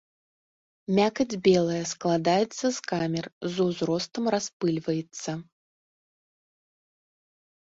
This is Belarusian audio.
Мякаць белая, складаецца з камер, з узростам распыльваецца.